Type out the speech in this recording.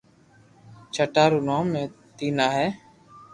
ڇٽا رو نوم تينا ھي